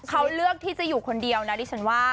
เขาเลือกที่จะอยู่คนเดียวนะดิฉันว่า